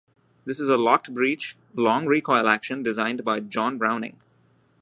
This is a locked-breech, long recoil action designed by John Browning.